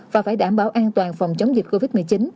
và phải đảm bảo an toàn phòng chống dịch covid một mươi chín